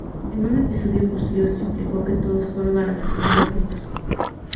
En un episodio posterior, se implicó que todos fueron a la secundaria juntos.